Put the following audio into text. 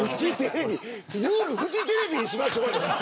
ルールフジテレビにしましょうよ。